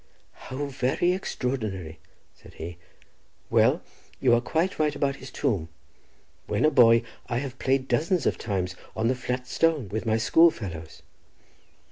"How very extraordinary," said he; "well, you are quite right about his tomb; when a boy I have played dozens of times on the flat stone with my school fellows."